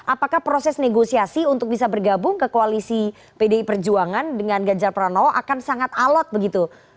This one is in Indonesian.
apakah proses negosiasi untuk bisa bergabung ke koalisi pdi perjuangan dengan ganjar pranowo akan sangat alot begitu